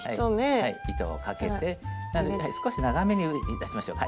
糸をかけて少し長めに出しましょう。